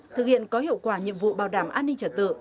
thực hiện có hiệu quả nhiệm vụ bảo đảm an ninh trật tự